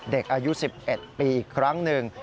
เด็กอายุ๑๑ปีอีกครั้งหนึ่ง